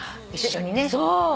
一緒にね。